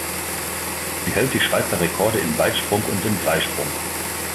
Sie hält die Schweizer Rekorde im Weitsprung und im Dreisprung.